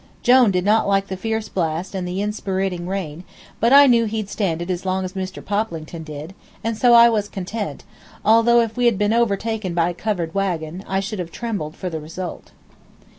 Jone did not like the fierce blast and the inspiriting rain, but I knew he'd stand it as long as Mr. Poplington did, and so I was content, although, if we had been overtaken by a covered wagon, I should have trembled for the result.